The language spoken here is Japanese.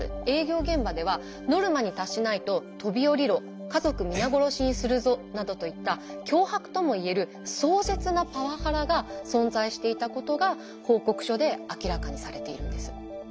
営業現場ではノルマに達しないと「飛び降りろ」「家族皆殺しにするぞ」などといった脅迫とも言える壮絶なパワハラが存在していたことが報告書で明らかにされているんです。